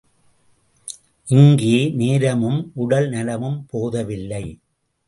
இங்கே நேரமும் உடல் நலமும் போதவில்லை.